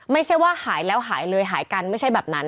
ไม่ใช่ว่าหายแล้วหายเลยหายกันไม่ใช่แบบนั้น